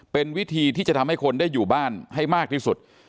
เป็นวิธีที่จะทำให้คนได้อยู่บ้านให้มากที่สุด